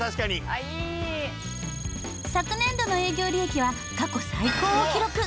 「あっいい！」昨年度の営業利益は過去最高を記録。